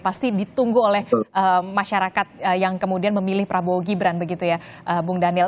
pasti ditunggu oleh masyarakat yang kemudian memilih prabowo gibran begitu ya bung daniel